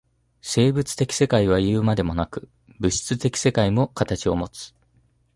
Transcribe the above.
生物的世界はいうまでもなく、物質的世界も形をもつ。